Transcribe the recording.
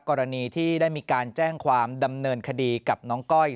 กรณีที่ได้มีการแจ้งความดำเนินคดีกับน้องก้อย